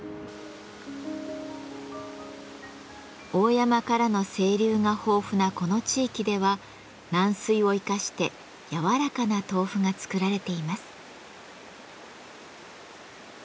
大山からの清流が豊富なこの地域では軟水を生かしてやわらかな豆腐が作られています。